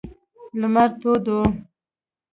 لمر تود و.